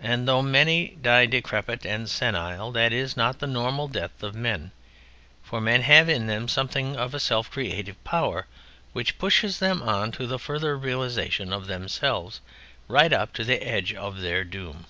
And though many die decrepit and senile, that is not the normal death of men, for men have in them something of a self creative power, which pushes them on to the further realisation of themselves, right up to the edge of their doom."